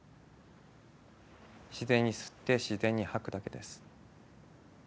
自然に吸って自然に吐くだけです。